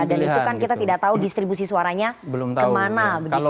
dan itu kan kita tidak tahu distribusi suaranya kemana begitu ya